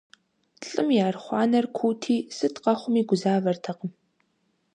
ЛӀым и архъуанэр куути, сыт къэхъуми гузавэртэкъым.